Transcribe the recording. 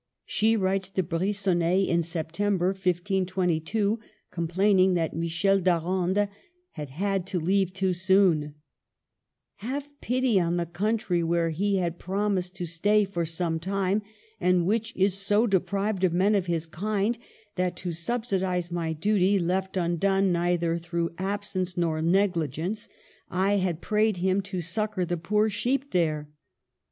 She writes to Brigonnet in September, 1522, complaining that Michel d'Arande had had to leave too soon :'' Have pity on the country where he had promised to stay for some time, and which is so deprived of men of his kind that (to subsidize my duty left undone neither through absence nor negligence) I had prayed him to succor the poor sheep there.